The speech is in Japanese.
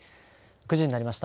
９時になりました。